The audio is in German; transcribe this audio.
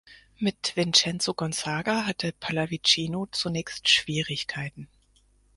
Mit Vincenzo Gonzaga hatte Pallavicino zunächst Schwierigkeiten.